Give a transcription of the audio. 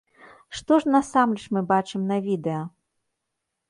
Што ж насамрэч мы бачым на відэа?